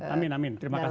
amin amin terima kasih